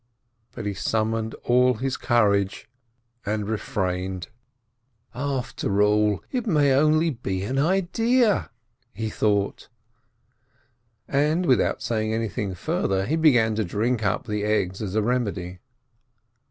but he summoned all his courage and refrained. LOST HIS VOICE 409 "After all, it may be only an idea," he thought. And without eaying anything further, he began to drink up the eggs as a remedy.